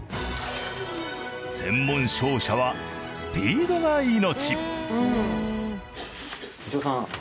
専門商社はスピードが命。